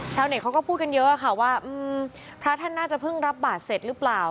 เน็ตเขาก็พูดกันเยอะค่ะว่าพระท่านน่าจะเพิ่งรับบาทเสร็จหรือเปล่า